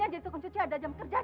dikasih dia dia tidak mau